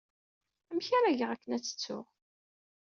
Amek ara geɣ akken ad tt-ttuɣ?